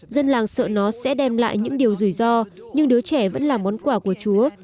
dân làng sợ nó sẽ đem lại những điều rủi ro nhưng đứa trẻ vẫn là món quà của chúa